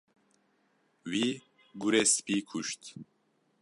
Wî gurê spî kuşt.